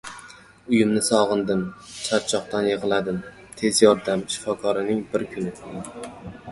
«Uyimni sog‘indim. Charchoqdan yig‘ladim...» — «Tez yordam» shifokorining bir kuni